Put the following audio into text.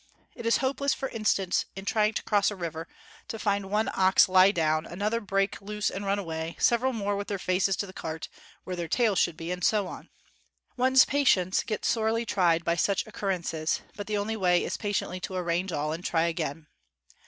It is hopeless, for instance, in trying to cross a river, to find one ox lie down, another break 62 JUNGLE ROADS AND OX CARTS loose and run away, several more with their faces to the cart, where their tails should be, and so on. One's patience gets sorely tried by such occurrences, but the only way is pa tiently to arrange all and try again.